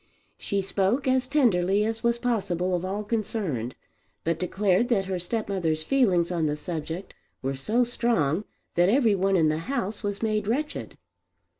She spoke as tenderly as was possible of all concerned, but declared that her stepmother's feelings on the subject were so strong that every one in the house was made wretched.